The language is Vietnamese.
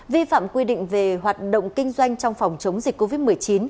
vi phạm quy định về hoạt động kinh doanh trong phòng chống dịch covid một mươi chín